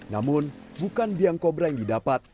namun bukan biang kobra yang didapat